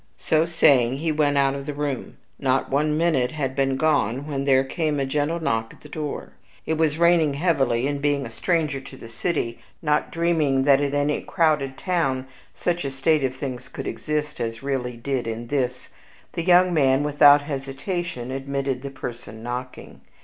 So saying, he went out of the room. Not one minute had he been gone when there came a gentle knock at the door. It was raining heavily, and, being a stranger to the city, not dreaming that in any crowded town such a state of things could exist as really did in this, the young man, without hesitation, admitted the person knocking.